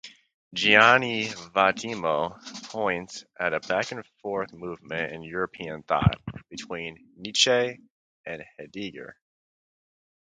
Gianni Vattimo points at a back-and-forth movement in European thought, between Nietzsche and Heidegger.